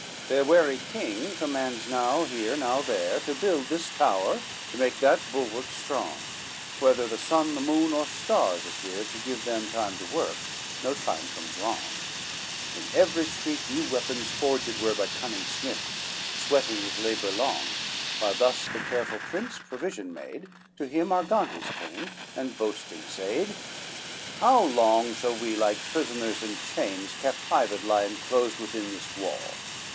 II Their wary king commands now here now there, To build this tower, to make that bulwark strong, Whether the sun, the moon, or stars appear, To give them time to work, no time comes wrong: In every street new weapons forged were, By cunning smiths, sweating with labor long; While thus the careful prince provision made, To him Argantes came, and boasting said: III "How long shall we, like prisoners in chains, Captived lie inclosed within this wall?